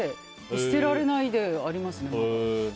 捨てられないで、あります。